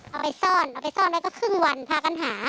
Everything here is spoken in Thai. เอาไปซ่อนเอาไปซ่อนอะไรก็ครึ่งวันพากันหา